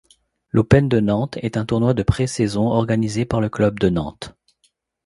L'Open de Nantes est un tournoi de pré-saison organisé par le club de Nantes.